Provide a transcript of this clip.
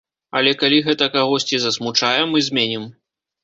Але калі гэта кагосьці засмучае, мы зменім.